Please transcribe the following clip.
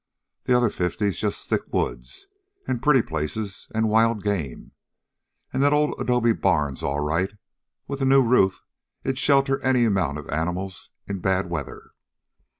The other fifty's just thick woods, an' pretty places, an' wild game. An' that old adobe barn's all right. With a new roof it'd shelter any amount of animals in bad weather.